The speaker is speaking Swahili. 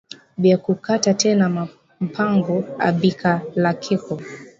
Bya ku kata tena ma mpango abikalakeko